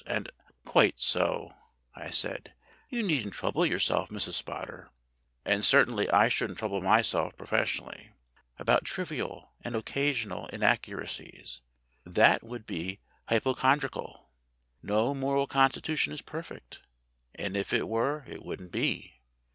And " "Quite so," I said. "You needn't trouble yourself, Mrs. Spotter (and certainly I shouldn't trouble myself professionally), about trivial and occasional inaccura cies. That would be hypochondriacal. No moral con stitution is perfect, and if it were it wouldn't be.